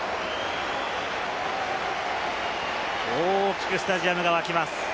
大きくスタジアムが沸きます。